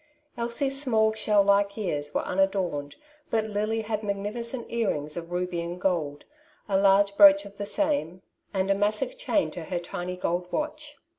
Elsie's small shell like ears were unadorned, but Lily had magnificent earrings of ruby and gold, a large brooch of the same, and a massive chain to her tiny gold watch.